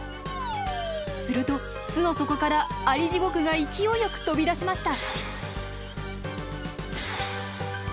すると巣の底からアリジゴクが勢いよく飛び出しました。